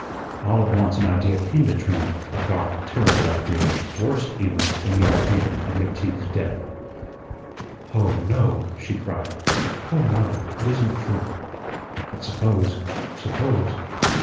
All at once an idea came to Trina, a dark, terrible idea; worse, even, than the idea of McTeague's death. "Oh, no," she cried. "Oh, no. It isn't true. But suppose suppose."